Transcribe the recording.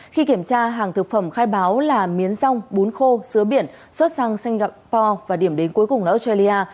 khi kiểm tra hàng thực phẩm khai báo là miến rong bún khô biển xuất sang singapore và điểm đến cuối cùng là australia